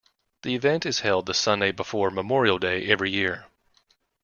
The event is held the Sunday before Memorial Day every year.